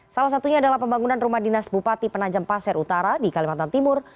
salah satunya adalah pembangunan rumah dinas bupati penajam pasir utara di kalimantan timur